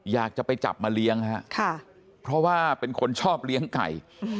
อยากจะไปจับมาเลี้ยงฮะค่ะเพราะว่าเป็นคนชอบเลี้ยงไก่